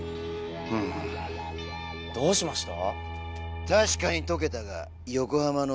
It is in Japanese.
うんどうしました？